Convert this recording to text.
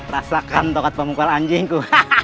rasakan tokat pemukul anjingku